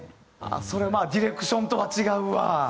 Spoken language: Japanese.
それはディレクションとは違うわ。